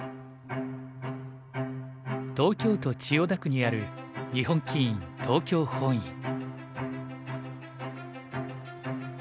東京都千代田区にある日本棋院東京本院。